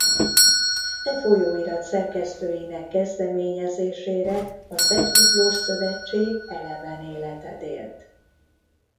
E folyóirat szerkesztőinek kezdeményezésére a Szent Miklós Szövetség eleven életet élt.